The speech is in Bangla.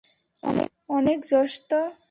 অনেক জোশ তো!